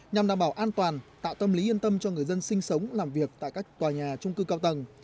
nhằm đảm bảo an toàn tạo tâm lý yên tâm cho người dân sinh sống làm việc tại các tòa nhà trung cư cao tầng